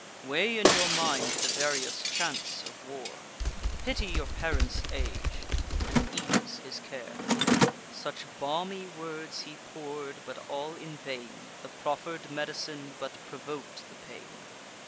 Weigh in your mind the various chance of war; Pity your parent's age, and ease his care." Such balmy words he pour'd, but all in vain: The proffer'd med'cine but provok'd the pain.